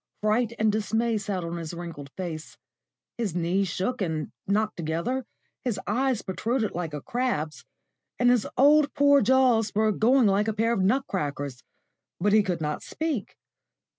Fright and dismay sat on his wrinkled face; his knees shook and knocked together, his eyes protruded like a crab's, and his poor old jaws were going like a pair of nut crackers, but he could not speak.